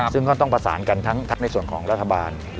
ซึ่งก็ต้องประสานกันทั้งในส่วนของรัฐบาล